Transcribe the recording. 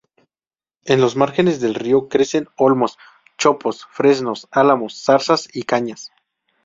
En los márgenes del río crecen olmos, chopos, fresnos, álamos, zarzas y cañas.